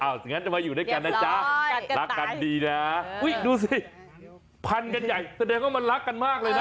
อย่างนั้นจะมาอยู่ด้วยกันนะจ๊ะรักกันดีนะอุ้ยดูสิพันกันใหญ่แสดงว่ามันรักกันมากเลยนะ